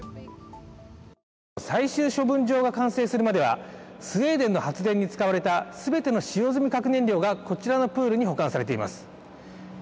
最終処分場が完成するまではスウェーデンの発電に使われた全ての使用済み核燃料がこちらのプールに保管されています。